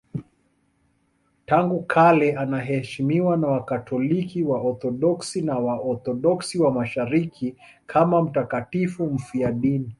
Tangu kale anaheshimiwa na Wakatoliki, Waorthodoksi na Waorthodoksi wa Mashariki kama mtakatifu mfiadini.